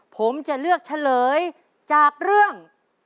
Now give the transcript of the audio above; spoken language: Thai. ผมจะเลือกเฉลยจากเรื่อง